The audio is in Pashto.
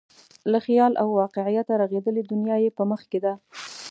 له خیال او واقعیته رغېدلې دنیا یې په مخ کې ده.